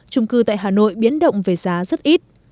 trung cư tại hà nội biến động về giá rất ít